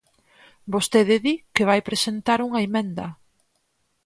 Vostede di que vai presentar unha emenda.